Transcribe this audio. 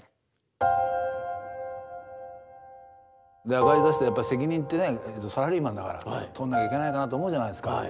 赤字出してやっぱり責任ってねサラリーマンだから取んなきゃいけないかなって思うじゃないですか。